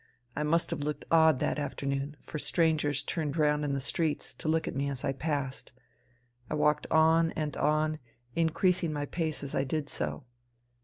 I must have looked odd that afternoon, for strangers turned round in the streets to look at me as I passed. I walked on and on, increasing my pace as I did so.